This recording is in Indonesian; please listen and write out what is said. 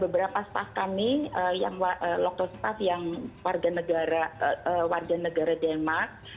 berapa staff kami yang local staff yang warga negara warga negara denmark